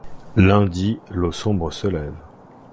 L'un dit : -L'eau sombre se lève.